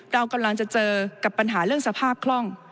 เรากำลังจะเจอกับปัญหาเรื่องสภาพคล่อง